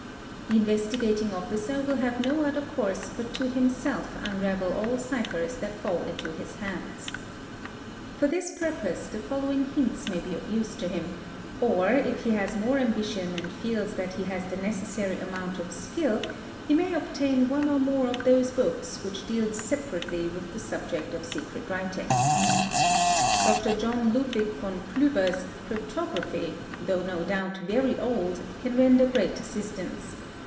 The Investigating Officer will have no other course bt to himself unravel all ciphers that fall into his hands. For this purpose" the following hints may be of use to him, or if he has more ambition amt GENERAL OBSERVATIONS 593 feels that he has the necessary amount of skill he may obtain one or more of those books which deal separately with the subject of secret writing ®®. Dr. John Ludv. von Kliiber's " Cryptography ''® though no doubt very old can render great assistance.